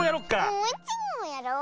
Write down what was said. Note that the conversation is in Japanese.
もういちもんやろう。